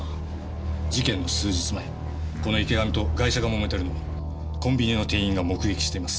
事件の数日前この池上とガイシャが揉めてるのをコンビニの店員が目撃しています。